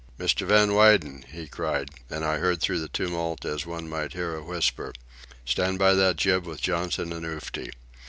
"Mr. Van Weyden!" he cried, and I heard through the tumult as one might hear a whisper. "Stand by that jib with Johnson and Oofty!